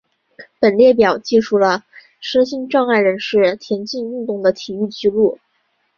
本列表记述了身心障碍人士田径运动的体育纪录。